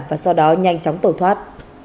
và sau đó nhanh chóng tổ thoát